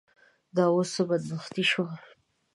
دا اوس څه بدبختي شوه.